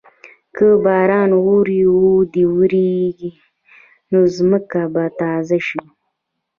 که باران ورو ورو وریږي، نو ځمکه به تازه شي.